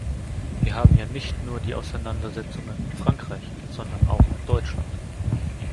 Wir haben ja nicht nur die Auseinandersetzungen mit Frankreich, sondern auch mit Deutschland!